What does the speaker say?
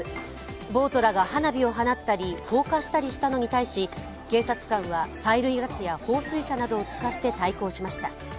暴徒らが花火を放ったり、放火したりしたのに対し、警察官は催涙ガスや放水車などを使って対抗しました。